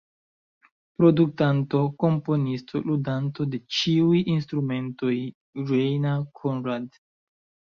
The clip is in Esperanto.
Produktanto, komponisto, ludanto de ĉiuj instrumentoj: Rainer Conrad.